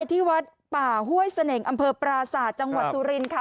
ที่วัดป่าห้วยเสน่ห์อำเภอปราศาสตร์จังหวัดสุรินทร์ค่ะ